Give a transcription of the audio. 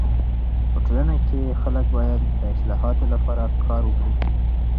په ټولنه کي خلک باید د اصلاحاتو لپاره کار وکړي.